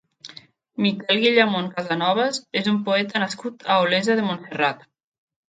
Miquel Guillamón Casanovas és un poeta nascut a Olesa de Montserrat.